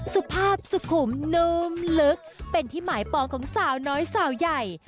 สุภาพสุขุมนุ่มลึกเป็นที่หมายปองของสาวน้อยสาวใหญ่